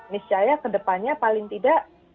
miscaya kedepannya paling tidak